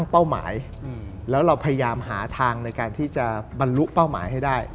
จะไปมาราทอนหรือเปล่า